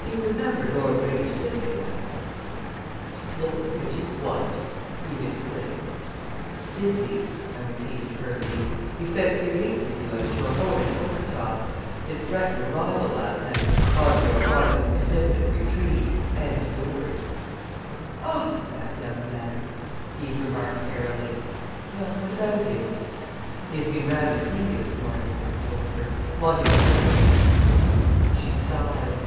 "You remember Lord Reggie Sidley?" I asked. "Lord Reggie what!" Eve exclaimed. "Sidley," I repeated firmly. "He spent three weeks with you out at your home in Okata. His threatened arrival last night was the cause of your father's precipitate retreat, and yours." "Oh, that young man!" Eve remarked airily. "Well, what about him?" "He has been round to see me this morning," I told her "wanted your address." She sighed.